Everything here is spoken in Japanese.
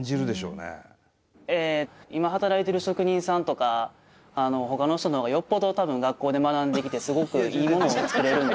今働いてる職人さんとかほかの人のほうがよっぽどたぶん学校で学んできてすごくいいものを作れるんで。